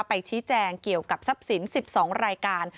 ไปชี้แจงเกี่ยวกับทรัพย์สิน๑๒รายการ